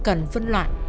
cũng cần phân loạn